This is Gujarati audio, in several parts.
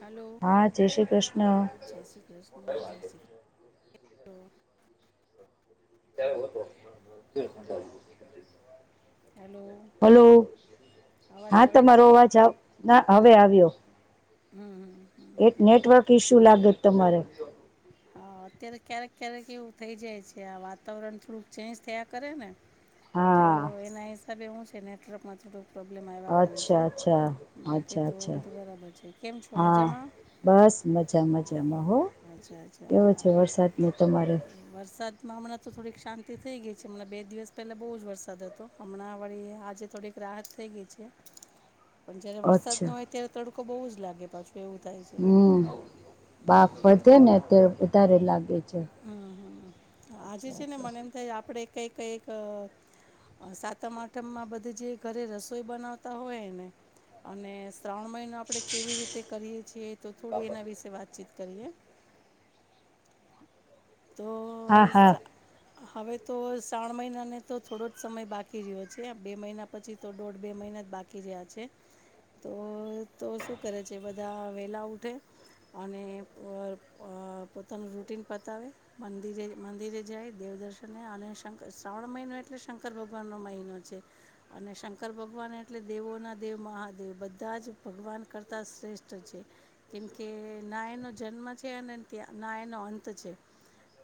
હલો હા જય શ્રી કૃષ્ણ હ તો તો [unintelligible] હેલો હલો અવાજ હા આવે છે તમારો અવાજ આવ હવે આવ્યો હમ હમ એક હમ. નેટવર્ક ઈસ્યુ લાગે તમારે હા અત્યારે ક્યારેક ક્યારેક એવું થઈ જાય છે આ વાતાવરણ થોડુંક ચેન્જ થયા કરે ને તો હા એના હિસાબે હું છે નેટવર્કમાં થોડું પ્રોબ્લેમ આવ્યા કરે છે અચ્છા અચ્છા બાકી અચ્છા તો અચ્છા બધું બરાબર છે કેમ છો હા મજામાં બસ મજા મજામાં હો અચ્છા અચ્છા કેવો છે હા હા વરસાદ ન તમારે વરસાદમાં હમણાં તો થોડીક શાંતિ થઈ ગઈ છે હમણાં બે દિવસ પહેલા બહુ જ વરસાદ હતો હમણાં વળી આજે થોડીક રાહત થઈ ગઈ છે પણ જયારે વરસાદ અચ્છા નો હોય ત્યારે તડકો બહુ જ લાગે પાછું એવું થાય છે હમ બાપ વધે ને અત્યારે વધારે લાગે છે હમ હમ આજે અચ્છા છે ને અચ્છા મને એમ થાય આપડે કઈ કઈક સાતમ આઠમમાં બધી જે ઘરે રસોઈ બનાવતા હોય ને અને ત્રણ મહિનો આપણે કેવી રીતે કરીએ છીએ તો થોડી એના વિશે વાતચીત કરીએ તો હા હા હવે તો શ્રણ મહિના ને તો થોડો જ સમય બાકી રહ્યો છે બે મહિના પછી તો દોઢ બે મહિના બાકી રહ્યા છે તો શું કરે છે બધા વેલા ઉઠે અને પોતાનું રૂટિન પતાવે મંદિરે મંદિરે જાય દેવદર્શન અને શંકર શ્રાવણ મહિનો એટલે શંકર ભગવાનનો મહિનો છે. અને શંકર ભગવાન એટલે દેવોના દેવ મહાદેવ બધા જ ભગવાન કરતા શ્રેષ્ઠ છે. કેમ કે નાયનો જન્મ છે અને ત્યા ના એનો અંત છે.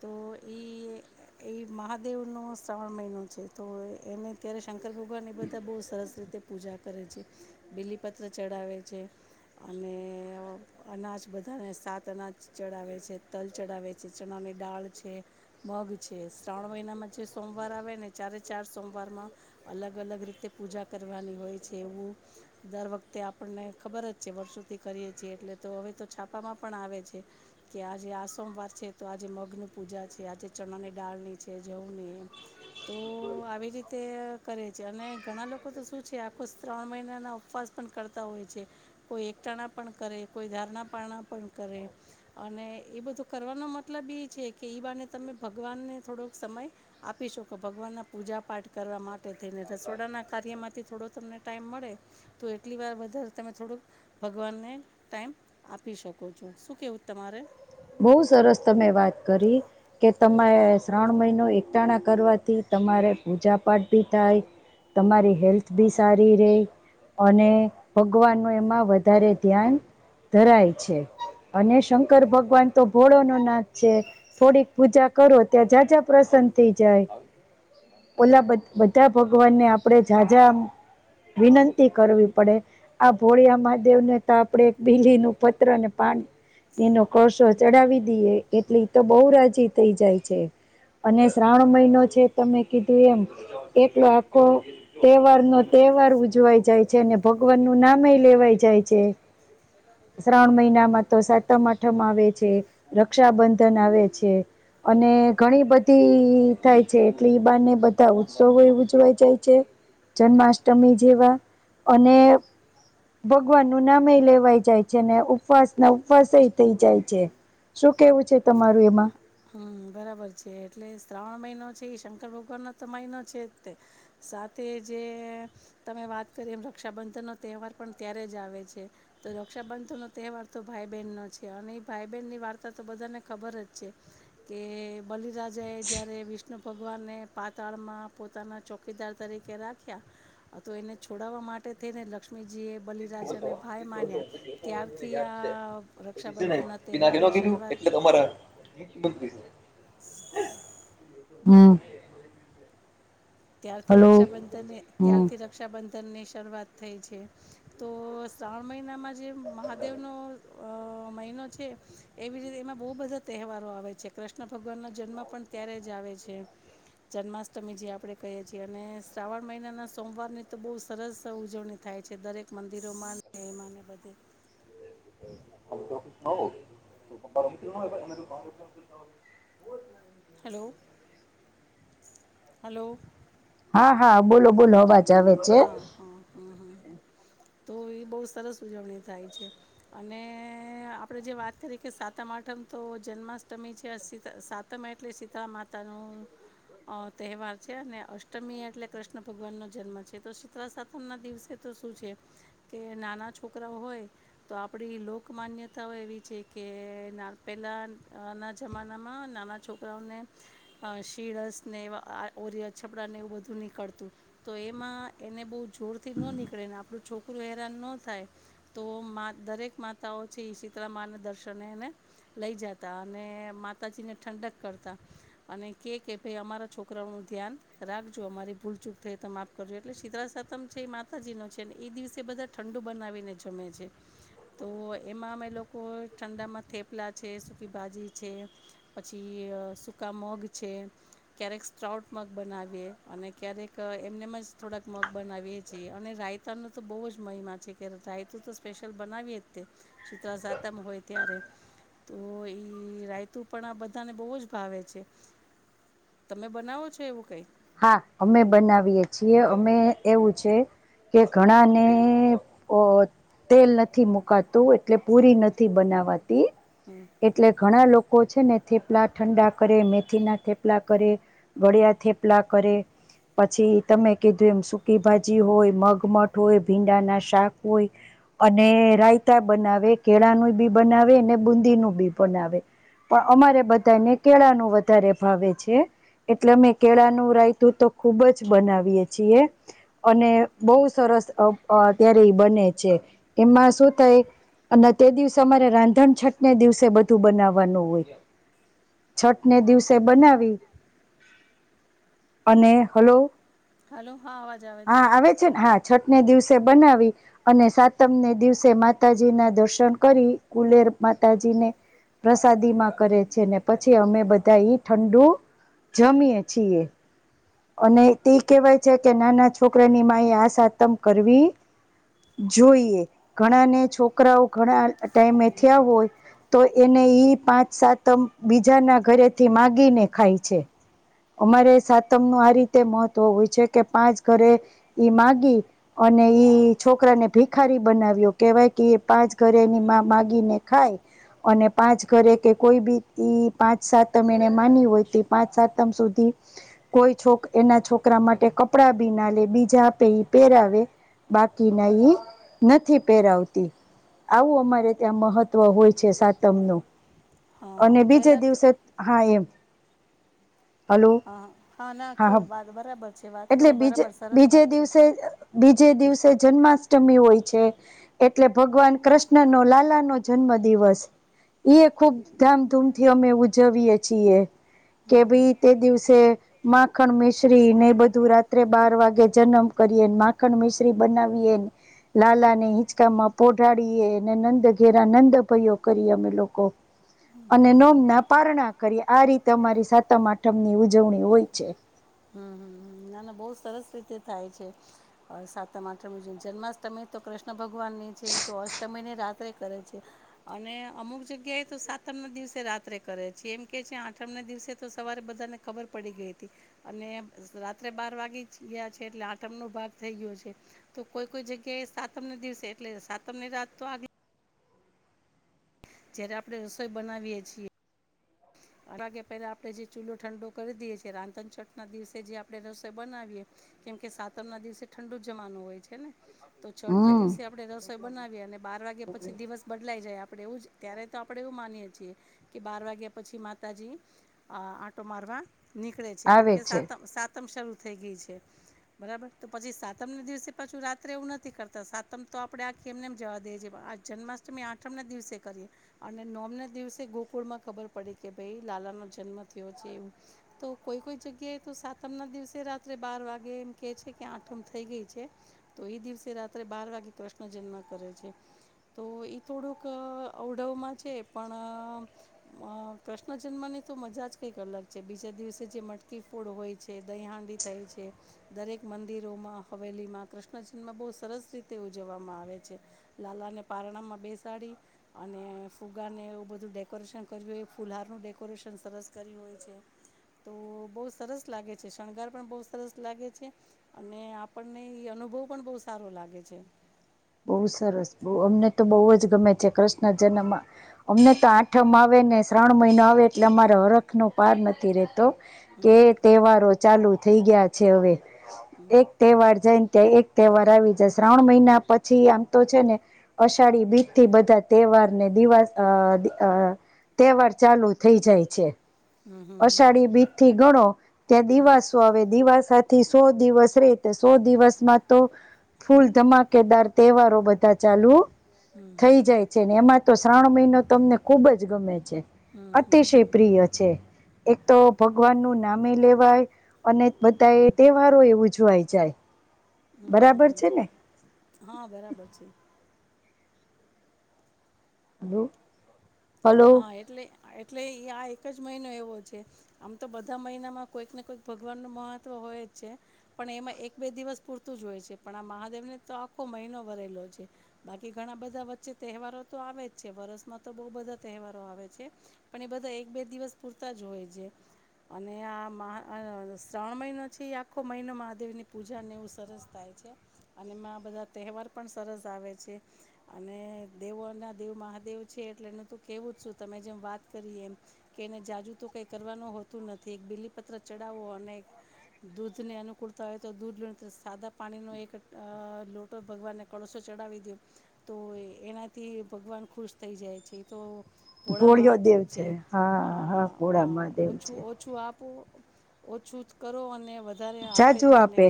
તો એ એ મહાદેવનો શ્રાવણ મહિનો છે. તો એને ત્યારે શંકર ભગવાન એ બધા બહુ સરસ રીતે પૂજા કરે છે. બીલીપત્ર ચડાવે છે. અને અનાજ બધાને સાત અનાજ ચડાવે છે. તલ ચડાવે છે ચણાની દાળ છે. મગ છે. શ્રાવણ મહિનામાં જે સોમવાર આવેને ચારે ચાર સોમવારમાં અલગ અલગ રીતે પૂજા કરવાની હોય છે. એવું દર વખતે આપડને ખબર જ છે. વર્ષોથી કરીએ છીએ એટલે તો હવે તો છાપામાં પણ આવે છે, કે આજે આ સોમવાર છે તો આજે મગની પૂજા છે. આજે ચણાની દાળની છે. જવની તો આવી તે કરે છે. અને ઘણા લોકો તો શું છે, આખો શ્રાવણ મહિનાના ઉપવાસ પણ કરતા હોય છે. કોઈ એકટાણા પણ કરે, કોઈ ધારણા-પારણા પણ કરે અને એ બધું કરવાનો મત મતલબ ઈ છે કે ઈબાને તમે ભગવાનને થોડોક સમય આપી શકો. ભગવાનના પૂજા પાઠ કરવા માટે થઈને રસોડા ના કાર્યમાંથી થોડો તમને ટાઈમ મળે તો એટલી વાર વધારે તમે થોડુંક ભગવાનને ટાઈમ આપી શકો છો. શું કેવું તમારે બઉ સરસ તમે વાત કરી કે તમારે શ્રાવણ મહિનો એકટાણા કરવાથી તમારે પૂજા પાઠ ભી થાય તમારી હેલ્થ બી સારી રે અને ભગવાનનું એમાં વધારે ધ્યાન ધરાય છે. અને શંકર ભક્ત ભગવાન તો ભોળોનો નાથ છે. થોડીક પૂજા કરો તો જા જા પ્રસન્ન થઈ જાય. ઓલા બધ બધા ભગવાનને આપડે જા જા વિનંતી કરવી પડે. આ ભોળિયા મહાદેવને તો આપડે બીલીનું પત્રને પાણ એનો કળસો ચડાવી દઈએ એટલે ઈ તો બઉ રાજી થઈ જાય છે. અને શ્રાવણ મહિનો છે. તમે કીધું એમ એટલો આખો તહેવાર નો તે તહેવાર ઉજવાય જાય છે. ને ભગવાનનું નામય લેવાય જાય છે. શ્રાવણ મહિનામાં તો સાતમ-આઠમ આવે છે. રક્ષાબંધન આવે છે. અને ઘણી બધી થાય છે. એટલે ઈ બાને બધા ઉત્સવય ઉજવાય જાય છે. જન્માષ્ટમી જેવા અને ભગવાનનું નામય લેવાય જાય છે. ને ઉપવાસના ઉપવાસ થઈ જાય છે. શું કેવું છે તમારું એમાં હમ્મ બરા બર છે. એટલે શ્રાવણ મહિનો છે એ શંકર ભગવાનનો તો મહિનો છે જ તે સાથે જે તમે વાત કરી એમ રક્ષાબંધનનો તહેવાર પણ ત્યારે જ આવે છે. તો રક્ષાબંધન તહેવાર તો ભાઈ-બહેનનો છે. અને ઈ ભાઈ-બહેનની વાર્તાતો બધાને ખબર જ છે. કે, બલિરાજાએ જ્યારે વિષ્ણુ ભગવાનને પાતાળમાં પોતાના ચોકીદાર તરીકે કે રાખ્યા તો એને છોડવા માટે થઈને લક્ષ્મીજીએ બલિરાજાને ભાઈ માન્યા ત્યારથી આ રક્ષાબંધનના તહેવારની [unintelligible] શરૂઆત એટલે તમારે હમ્મ ત્યારથી રક્ષાબંધનને હમ ત્યારથી રક્ષાબંધન તનની શરૂઆત થઈ છે. તો શ્રાવણ મહિનામાં જે મહાદેવનો મહિનો છે એવી રીતે એમાં બઉ બધા તહેવારો આવે છે. કૃષ્ણ ભગવાનનો જન્મ પણ ત્યારે જ આવે છે જન્માષ્ટમી જે આપણેે કહીએ છીએ અને શ્રાવણ મહિનાના સોમવારની તો બહુ સરસ ઉજવણી થાય છે. દરેક મંદિરોમાં એમાને બધે [unintelligible] [unintelligible] હલો હલો હા હા બોલો બોલો અવાજ આવે છે હા હા હા હા તો એ બહુ સરસ ઉજવણી થાય છે અને આપણેે જે વાત કરીએ કે સાતમાઠ મ તો જન્માષ્ટમી છે સાતમ એટલે શીતાળ માતા નું અ તહેવાર છે અને અષ્ટમી એટલે કૃષ્ણ ભગવાન નો જન્મ છે તો શીતા સાતમ ના દિવસે તો શું છે કે નાના છોકરા હોય તો આપણી લોક માન્યતાઓ એવી છે કે પહેલા ના જમાનામાં નાના છોકરાઓને શીળસ ને ઓરિય છપડા ને એવું બધું નીકળતું તો એમાં એને બહુ જોરથી ન નીકળે ને આપણું છોકરું હેરાન ન થાય તો દરેક માતા છે શીતળામાંને દર્શને એને લઈ જતા અને માતાજીને ઠંડક કરતા અને કે કે ભાઈ અમારા છોકરાઓ નું ધ્યાન રાખજો અમારી ભૂલચૂક થઈ તો માફ કરજો એટલે શીતળા સતમ છે એ માતાજીનો છે ને એ દિવસે બધા ઠંડુ બનાવીને જમે છે. તો એમાં અમે લોકો ઠંડામાં થેપલા છે સુકી ભાજી છે પછી સૂકા મગ છે ક્યારેક સ્ટ્રાઉટ મગ બનાવીએ અને ક્યારેક એમને થોડાક મગ બનાવીએ છીએ અને રાયતાનો તો બહુ જ મહિમા છે કે રાયતું તો સ્પેશિયલ બનાવીએ જ. શીતળા સાતમ હોય ત્યારે તો રાયતુ પણ આ બધાને બહુ જ ભાવે છે તમે બનાવો છો એવું કઈ હા અમે બનાવીએ છીએ અમે એવું છે. કે ઘણાને અ તેલ નથી મુકાતું એટલે પુરી નથી બનાવાતી એટલે ઘણા લોકો લોકો છે ને થેપલા ઠંડા કરે મેથી ના થેપલા કરે ગળિયા થલા બાપલા કર પછી તમે કીધું એમ સુકી ભાજી હોય મગમઠ હોય ભીંડા ના શાક હોય અને રાયતા બનાવે કેળાનું બી બનાવે અનેને બુંદી નું બી બનાવે પણ અમારે બધાને કેળા ન વધારે ભાવે છે એટલે અમે કેળા નું રાયતું તો ખુબ જ બનાવીએ છીએ અને બહુ સરસ અત્યારે એ બને છે એમાં શું થાય અને તે દિવસે અમારે રાંધણછટ ને દિવસે બધું બનાવાનું હોય. છઠ ને દિવસે બનાવી અને હલો હાલો હા અવાજ આવે છે. હા છઠ ને દિવસે બનાવી અને સાતમને દિવસે માતાજી ના દર્શન કરી કુલેર માતાજી ને પ્રસાદી માં કરે છે ને પછી અમે બધા ઠંડુ જમીએ છી એ અને તે કેહેવાય છે કે નાના છોકરાની મા એ આ સાતમ કરવી જોઈએ ઘણા ને છોકરાઓ ઘણા ટાઈમે થયા હોય તો એને ઈ પાંચ સાતમ બીજાના ઘરેથી માગીને ખાય છે અમારે સાત તમનું આ રીતે મહત્વ હોય છે કે પાંચ ઘરે ઈ માગી અને ઈ છોકરા ભીખારી બનાવ્યો કેવાય કે એ પાંચ ઘરે એની મા માગીને ખાય અને પાંચ ઘરે કે કોઈ બી પાંચ સાતમ એને માની હોય તે પાંચ સાતમ સુધી કોઈ છોક એના છોકરા માટે કપડાં બી ના લે બીજા પે પહેરાવે બાકીને એ નથી પેરાવતી આવું અમારે ત્યાં મહત્વ હોય છે સાતમ નું હા અને હા બીજે પહેલાં તો દિવસે હા એમ હલો હા હા ના કત બરાબર છે વાત એટલે કરો બીજ બરાબર સરસ બીજે વાત છે. દિવસે બીજ જે દિવસે જન્માષ્ટમી હોય છે એટલે ભગવાન કૃષ્ણ નો લાલા નો જન્મ દિવસ એ ખૂબ ધામધૂમથી અમે ઉજવીયએ છીએ કે ભાઈ તે દિવસે માખણ મિશ્રી ને બધું રાત્રે બાર વાગે જન્મ કરીએ માખણ મિશ્રી બનાવીએ લાલા ને હિંચકા પોઢાડીએ અને નંદ ઘેરા નંદ ભાઈયો કરી અમે લોકો અને નોમ ના પારણા કરી આ રીતે અમારી સાતમ આઠમની ઉજવણી હોય છે હમ નાના બહ સરસ રીતે થાય છે સાતમાઠમ જન્માષ્ટમી તો કૃષ્ણ ભગવાન ને છે એ તો અષ્ટમય ને રાત ે છે અને અમુક જગ્યાએ તો સાતમ ના દિવસે રાત્રે કરે છે એમ કે છે આઠમ દિવસે તો સવારે બધા ને ખબર પડી ગઈ હતી અને રાત્રે બાર વાગી જ ગયા છે એટલે આઠમ નો ભાગ થઈ ગયો છે તો કોઈ કોઈ જગ્યાએ એ સાતમ દિવસે એટલે સાતમ ની રાત તો આગ જયારે આપણે રસોઈ બનાવીએ છીએ અગે પેલા આપણે જે ચૂલો ઠંડો કરી દેએીએ રાધનચટ ના દિવસે જે આપણેે રસોઈ બનાવીએ કેમ કે સાતર ના દિવસે ઠંડુ જ જવાનું હોય છે ને તો છઠ ના હમ દિવસે આપડણે રસોઈ બનાવીએ અને બાર વાગ્યા પછી દિવસ બદલાઈ જાય આપણે એવું જ ત્યારે આપણે એવું માનીએ છીએ કે બાર વાગ્યા પછી માતાજી આંટો મારવા નીકળે છે કેમ કે સાતમ સાતમ શરૂ થઈ ગઈ છે બરાબર તો પછી સાતમ ના દિવસે પાછું રાત્રે એવું નથી કરતા સાતમ તો આપડે કે એમને એમ જવા દેએ છે પણ આ જન્માષ્ટમી આઠમના દિવસે કરીએ અને નવમ ના દિવસે ગોકુળમાં ખબર પડે કે ભાઈ લાલા નો જન્મ થયો છે એવ તો કોઈ કોઈ જગ્યાએ તો સાતમ ના દિવસે રાત્રે બાર વાગે એમ કે છે કે આઠમ થઈ ગઈ છે તો એ દિવસે રાત્રે બાર વાગે કૃષ્ણ જન્મ કરે છે તો એ થોડુંક અવડવમાં છે પણ કૃષ્ણ જન્મ ની તો મજા જ કંઈક અલગ છે બીજા દિવસે જે મટકી ફોડ હોય છે દહી હાંડી થાય છે દરેક મંદિરોમાં હવેલીમાં કૃષ્ણ જન્મમાં બહુ સરસ રીતે ઉજવવામાં આવે છે લાલા ને પારણામાં બેસાડી અને ફુગાને એવું બધું ડેકોરેશન કર્યું ફુલહારનું ડેકોરેશન સરસ કરી હોય છે તો બહુ સરસ લાગે છે શણગાર પણ બહુ સરસ લાગે છે અને આપણને અનુભવ પણ બહુ સારો લાગે છે બહુ સરસ બ અમને તો બહુ જ ગમે છે કૃષ્ણ જન્મ અમને તો આઠમ આવેને શ્રણ મહિનો આવે એટલે અમારે હરખનો પાર નથી રહેતો કે હમ તહેવારો ચાલુ થઈ ગયા છે હવે એક તહેવાર જને ત્યા એક તહેવાર આવી જ શ્રાવણ મહિના પ છી આમ તો છે ને અષાઢી બીજ થી બધા તહેવારને દવાસ તહેવાર ચાલુ થઇ જાય છે હમ હમ હમ થી ગણો ત્યાં દિવાસો આવે દિવાસાથી સો દિવસ રે તો સો દિવસમાં તો ફૂલ ધમાકેદાર તહેવારો બધા ચાલુ થઈ જાય છે ને એમાં તો શ્રાવણ મહિનો તમને ખુબ જ ગમે છે અતિશય પ્રિય છે એક તો ભગવાન નું નામે લેવાય અને બધા એ તહેવારો એ ઉજવાય જાય હમ બરાબર હમ છે ને હ હા બરાબર છે હ હા એટલે એટલે આ એક જ મહિનો એવો છે આમ તો બધા મહિનામાં કોઈક ને કોઈક ભગવાન ન મહત્વ હોય જ છે પણ પણ એમાં એક બે દિવસ પૂરતું જ હોય છે પણ આ મહાદેવ ને તો આખો મહિનો ભરેલો છે બાકી ઘણા બધા વચ્ચે તહેવારો તો આવે જ છે વરસમાં તો બહ બધા તહેવારો આવે છે પણ એ બધા એક બે દિવસ પૂરતા જ હોય છે અને આ શ્રણ મહિનો છે એ આખો મહિનો મહાદેવ ની પૂજા ને એવું સરસ થાય અને એમાં બધા તહેવાર પણ સરસ આવે છે અને દેવોના દેવમાં દેવ છે એટલે કેવું જ છું તમે જેમ વાત કરી એમ કે એને જાજુ તો કઈ કરવાનું હોતું નથી એક બિલ્લી પત્ર ચડ ત અ અનેક દૂધ ની અનુકૂળતા હોય તો દૂધ લો સાદા પાણી નો એક લોટો ભગવાનને કળશો ચાવી દ તો એનાથી ભગવાન ખુશ થઈ જાય છે તો ભોળા ભોળિયો મહાદેવ દેવ છે હા ભોળા મહાદેવ ઓછું છે ઓછું આપું ઓછું કરો અને વધારે આપે તમને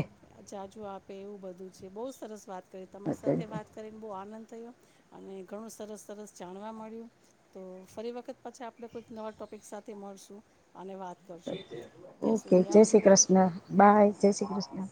જાજ આપે એવું બધું છે બહુ સરસ વાત કરી તમારી સાથે વાત કરીને બહુ આનંદ થયો અને ઘણું સરસ સરસ જાણવા મળ્યું તો ફરી વખત પછી આપણે કોઈક નવા ટોપિક સાથે મળશું અને વાત કરશું ત્યાં ઓકે સુધી જય આવજો શ્રી કૃષ્ણ બાય જય શ્રી કૃષ્ણ